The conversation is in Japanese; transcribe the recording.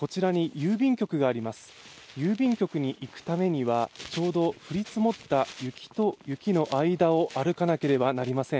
郵便局に行くためにはちょうど降り積もった雪と雪の間を歩かなければなりません。